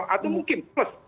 atau mungkin plus